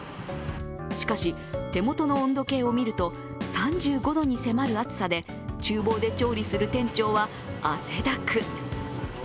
しかし、手元の温度計を見ると３５度に迫る暑さで、厨房で調理する店長は汗だく。